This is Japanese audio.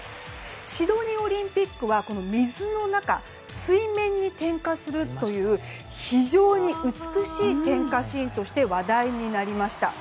シドニーオリンピックは水の中水面に点火するという非常に美しい点火シーンとして話題になりました。